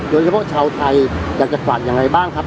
โดยเฉพาะชาวไทยอยากจะฝากอย่างไรบ้างครับ